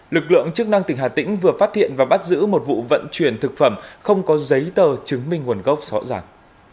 lực lượng chức năng tỉnh hà tĩnh vừa phát hiện và bắt giữ một vụ vận chuyển thực phẩm không có giấy tờ chứng minh nguồn gốc rõ ràng